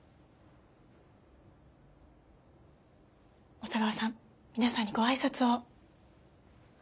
小佐川さん皆さんにご挨拶を。